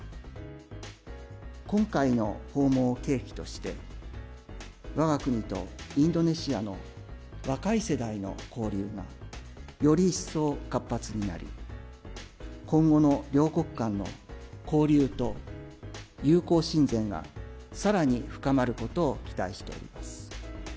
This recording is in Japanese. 今回の訪問を契機として我が国とインドネシアの若い世代の交流がより一層活発になり今後の両国間の交流と友好親善が更に深まることを期待しています。